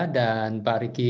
dan pak riki